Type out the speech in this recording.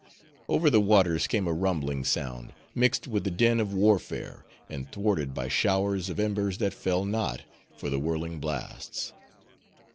Over the waters came a rumbling sound, mixed with the din of warfare, and thwarted by showers of embers that fell not, for the whirling blasts.